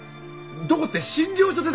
どこって診療所でだ。